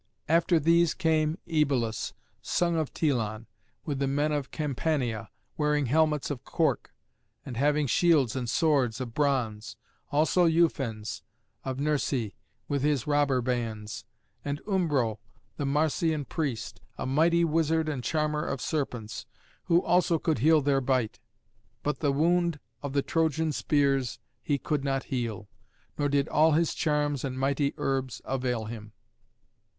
After these came Œbalus, son of Telon, with the men of Campania, wearing helmets of cork, and having shields and swords of bronze; also Ufens, of Nersæ, with his robber bands; and Umbro, the Marsian priest, a mighty wizard and charmer of serpents, who also could heal their bite; but the wound of the Trojan spears he could not heal, nor did all his charms and mighty herbs avail him.